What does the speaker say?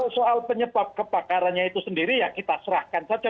soal penyebab kebakarannya itu sendiri ya kita serahkan saja